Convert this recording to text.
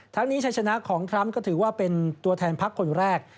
นี้ชัยชนะของทรัมป์ก็ถือว่าเป็นตัวแทนพักคนแรก